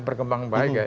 dan perkembangan baik ya